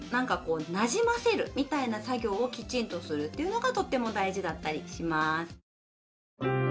なじませるみたいな作業をきちんとするっていうのがとっても大事だったりします。